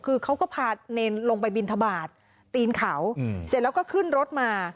คือเขาก็พาเนรลงไปบินทบาทตีนเขาเสร็จแล้วก็ขึ้นรถมา